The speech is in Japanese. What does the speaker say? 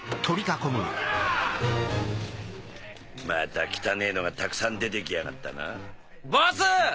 また汚ねぇのがたくさん出て来やがったな。